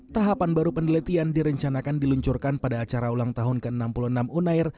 tahapan baru penelitian direncanakan diluncurkan pada acara ulang tahun ke enam puluh enam unair